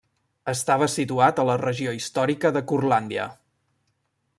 Estava situat a la regió històrica de Curlàndia.